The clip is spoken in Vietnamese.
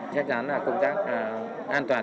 chắc chắn công tác an toàn